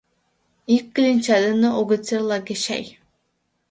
Ик кленча дене огыт серлаге чай.